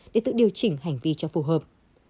để tự điều chỉnh hành vi cho phù hợp